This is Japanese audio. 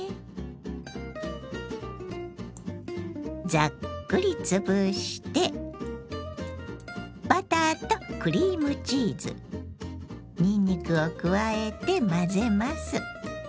ザックリつぶしてバターとクリームチーズにんにくを加えて混ぜます。